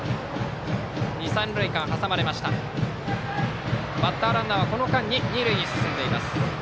二、三塁間挟まれましたがバッターランナーはこの間に二塁に進んでいます。